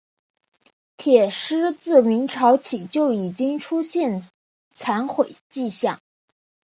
铁狮自明朝起就已出现残毁迹象。